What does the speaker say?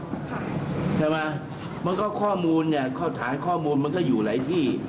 ใช่ไหมมันก็ข้อมูลเนี่ยข้อฐานข้อมูลมันก็อยู่หลายที่